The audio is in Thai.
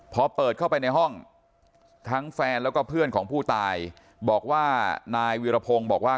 พอเปิดเข้าไปในห้องทั้งแฟนแล้วก็เพื่อนของผู้ตายบอกว่านายวีรพงศ์บอกว่า